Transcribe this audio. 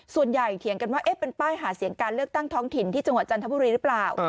เถียงกันว่าเป็นป้ายหาเสียงการเลือกตั้งท้องถิ่นที่จังหวัดจันทบุรีหรือเปล่า